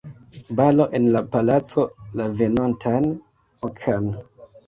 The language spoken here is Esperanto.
Balo en la palaco, la venontan okan.